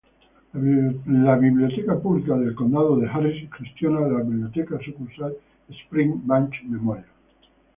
La Biblioteca Pública del Condado de Harris gestiona la Biblioteca Sucursal Spring Branch Memorial.